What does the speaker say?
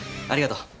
ありがとう。